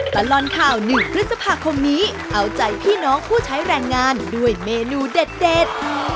ตลอดข่าว๑พฤษภาคมนี้เอาใจพี่น้องผู้ใช้แรงงานด้วยเมนูเด็ด